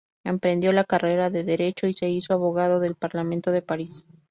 Emprendió la carrera de derecho y se hizo abogado del parlamento de París.